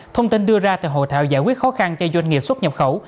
thông tin đưa ra từ hội thảo giải quyết khó khăn cho doanh nghiệp xuất nhập khẩu